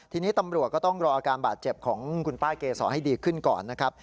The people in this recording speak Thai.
ทีนี้ตำรวจก็ต้องรออาการบาดเจ็บของคุณป้าเกษรให้ดีขึ้นก่อนนะครับ